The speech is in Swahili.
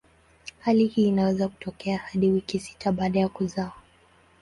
Hali hii inaweza kutokea hadi wiki sita baada ya kuzaa.